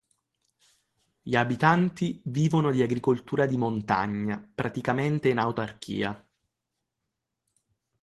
Gli abitanti vivono di agricoltura di montagna, praticamente in autarchia.